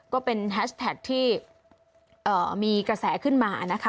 ก็เป็นแฮชแท็กที่มีกระแสขึ้นมานะคะ